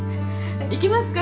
行きますか？